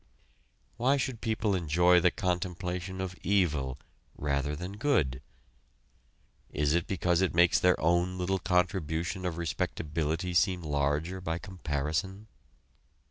Why should people enjoy the contemplation of evil rather than good? Is it because it makes their own little contribution of respectability seem larger by comparison?